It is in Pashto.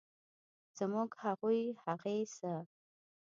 زموږ، هغوی ، هغې ،زه